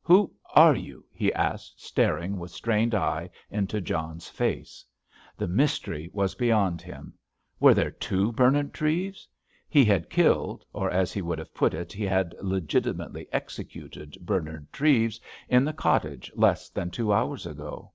"Who are you?" he asked, staring with strained eyes into John's face. The mystery was beyond him. Were there two Bernard Treves? He had killed, or as he would have put it, he had legitimately executed Bernard Treves in the cottage less than two hours ago.